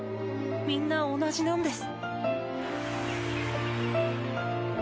みんな同じなんです。